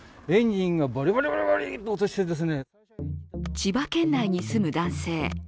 千葉県内に住む男性。